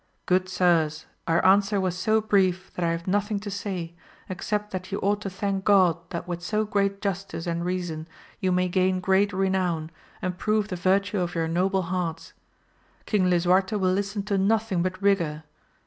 Good sirs, our answer was so brief that I have nothing to say, except that you ought to thank God that with so great justice and reason you may gain great renown, and prove the virtue of your noble hearts. King Lisuarte will listen to nothing but rigour.